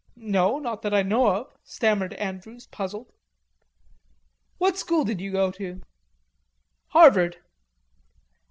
"No, not that I know of," stammered Andrews puzzled. "What school did you go to?" "Harvard."